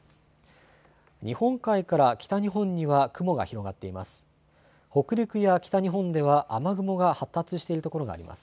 日本海から北日本には雲が広がっています。